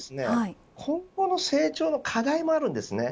また今後の成長の課題もあります。